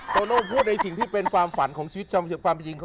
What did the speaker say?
โตโน่พูดในสิ่งที่เป็นความฝันของชีวิตความจริง